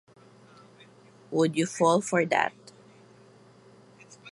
Would You Fall for That?